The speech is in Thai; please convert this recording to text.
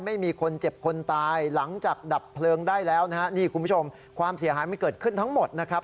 ไม่มีคนเจ็บคนตายหลังจากดับเพลิงได้แล้วนะฮะนี่คุณผู้ชมความเสียหายมันเกิดขึ้นทั้งหมดนะครับ